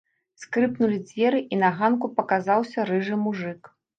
Скрыпнулі дзверы, і на ганку паказаўся рыжы мужык.